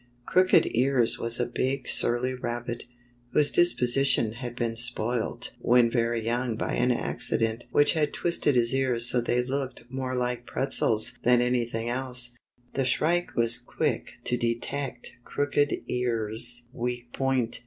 Crooked Ears was a big surly rabbit, whose disposition had been spoilt when very young by an accident which had twisted his ears so they looked more like pretzels than anything else. The Shrike was quick to detect Crooked Ears' weak point.